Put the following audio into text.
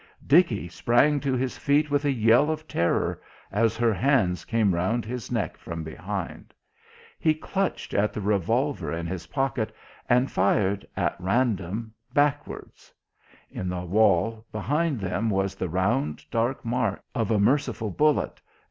Dickie sprang to his feet with a yell of terror as her hands came round his neck from behind. He clutched at the revolver in his pocket and fired, at random, backwards.... In the wall behind them was the round dark mark of a merciful bullet.